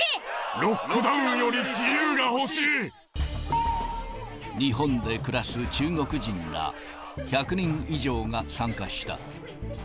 ロックダウンより自由が欲し日本で暮らす中国人ら、１００人以上が参加した。